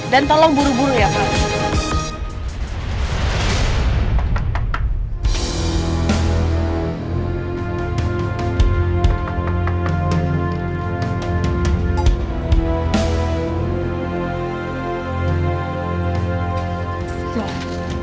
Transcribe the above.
dan tolong buru buru ya pak